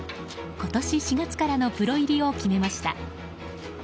今年４月からのプロ入りを決めました。